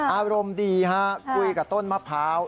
อารมณ์ดีฮะคุยกับต้นมะพร้าว